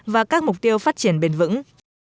và các mục tiêu phát triển bền vững